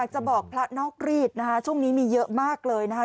จะบอกพระนอกรีดนะคะช่วงนี้มีเยอะมากเลยนะคะ